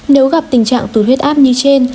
nếu gặp tình trạng tụt huyết áp như trên